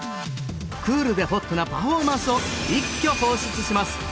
クールでホットなパフォーマンスを一挙放出します